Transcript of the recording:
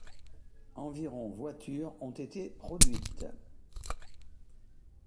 Environ voitures ont été produites.